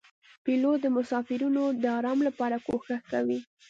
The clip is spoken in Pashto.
پیلوټ د مسافرینو د آرام لپاره کوښښ کوي.